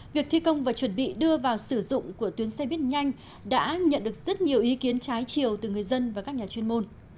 việc thi công và chuẩn bị đưa vào sử dụng của tuyến xe buýt nhanh đã nhận được rất nhiều ý kiến trái chiều từ người dân và các nhà chuyên môn